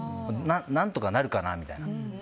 何とかなるかなみたいな。